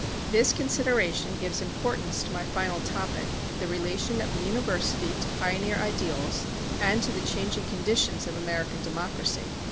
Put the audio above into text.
This consideration gives importance to my final topic, the relation of the University to pioneer ideals and to the changing conditions of American democracy.